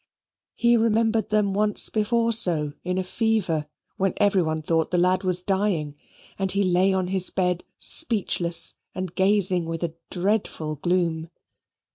He remembered them once before so in a fever, when every one thought the lad was dying, and he lay on his bed speechless, and gazing with a dreadful gloom.